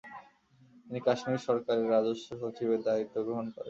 তিনি কাশ্মীর সরকারের রাজস্ব সচিবের দায়িত্ব গ্রহণ করেন।